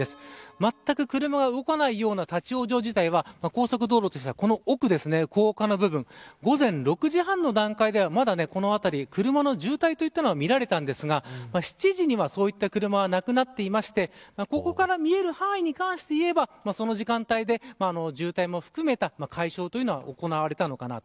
まったく車が動かないような立ち往生自体は高速道路としてはこの奥ですね、高架の部分午前６時半の段階ではまだこの辺り、車の渋滞は見られたんですが７時にはそういったものはなくなっていてここから見える範囲に関していえば、その時間帯で渋滞も含めた解消というのは行われたのかなと。